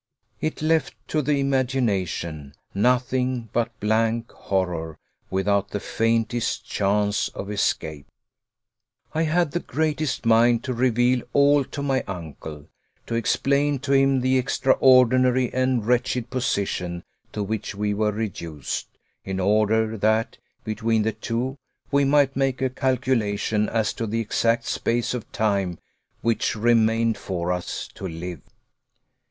It left to the imagination nothing but blank horror, without the faintest chance of escape! I had the greatest mind to reveal all to my uncle, to explain to him the extraordinary and wretched position to which we were reduced, in order that, between the two, we might make a calculation as to the exact space of time which remained for us to live.